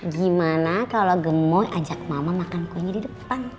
gimana kalau gemo ajak mama makan kuenya di depan